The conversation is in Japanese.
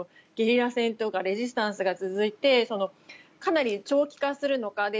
ゲリラ戦とかレジスタンスが続いてかなり長期化するのか。